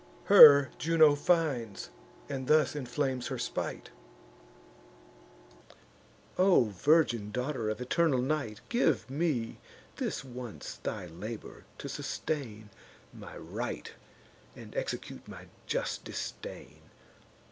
Her Juno finds, and thus inflames her spite: "O virgin daughter of eternal Night, Give me this once thy labour, to sustain My right, and execute my just disdain.